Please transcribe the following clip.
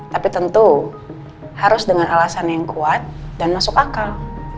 tapi tentu harus dengan alasan yang kuat dan masuk akal